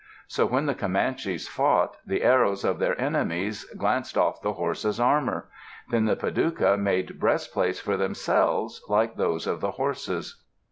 So when the Comanches fought, the arrows of their enemies glanced off the horses' armor. Then the Padouca made breastplates for themselves like those of the horses.